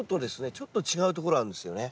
ちょっと違うところあるんですよね。